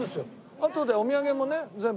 あとでお土産もね全部。